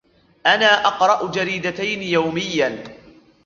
أنا أقرأ جريدتين يومياً.